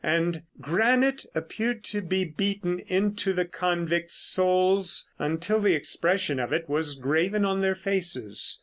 And granite appeared to be beaten into the convicts' souls until the expression of it was graven on their faces.